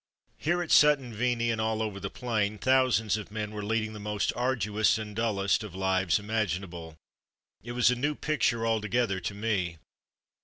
Here at Sutton Veney, and all over the plain, thousands of men were leading the most arduous and dullest of lives imaginable. It was a new picture altogether to me.